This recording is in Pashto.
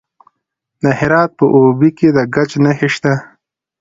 د هرات په اوبې کې د ګچ نښې شته.